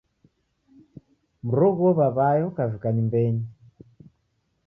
Mroghuo w'aw'ayo kavika nyumbeni.